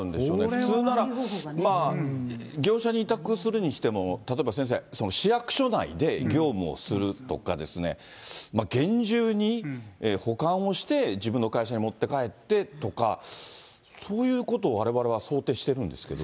普通なら、業者に委託するにしても、例えば先生、市役所内で業務をするとか、厳重に保管をして、自分の会社に持って帰ってとか、そういうことをわれわれは想定してるんですけど。